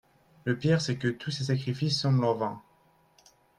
Le pire, c’est que tous ces sacrifices semblent en vain.